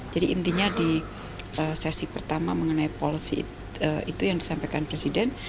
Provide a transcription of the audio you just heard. jadi intinya di sesi pertama mengenai polisi itu yang disampaikan presiden